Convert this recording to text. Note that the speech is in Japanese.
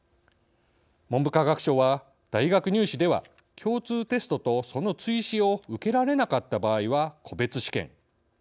文部科学省は、大学入試では共通テストと、その追試を受けられなかった場合は個別試験。